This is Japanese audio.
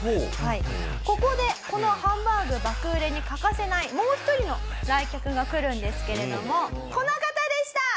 ここでこのハンバーグ爆売れに欠かせないもう１人の来客が来るんですけれどもこの方でした！